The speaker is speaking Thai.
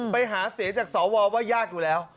ไปหาเสียงจากสวว่ายากอยู่แล้ว